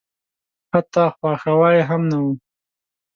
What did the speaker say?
حتی خواښاوه یې هم نه.